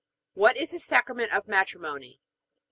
What is the Sacrament of Matrimony?